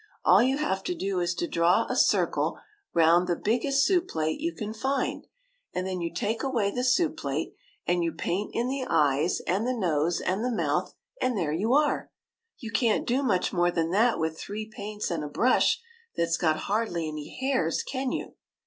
''All you have to do is to draw a circle round the biggest soup plate you can find; and then you take away the soup plate, and you paint in the eyes and the nose and the mouth, and there you are ! You can't do much more than that with three paints and a brush that 's got hardly any hairs, can you?"